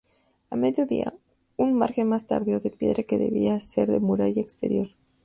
A mediodía, un margen más tardío de piedra que debía hacer de muralla exterior.